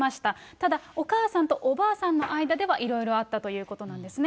ただ、お母さんとおばあさんの間ではいろいろとあったということなんですね。